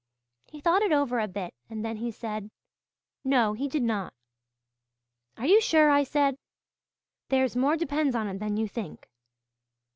He thought it over a bit, and then he said, 'No, he did not.' 'Are you sure?' I said. 'There's more depends on it than you think!'